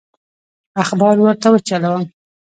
اخبار ورته وچلوم.